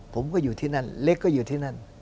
ผมก็อยู่ที่นั่นเล็กก็อยู่ที่นั่น